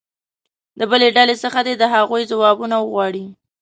د بلې ډلې څخه دې د هغو ځوابونه وغواړي.